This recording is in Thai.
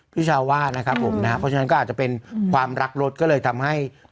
ชาวว่านะครับผมนะครับเพราะฉะนั้นก็อาจจะเป็นความรักรถก็เลยทำให้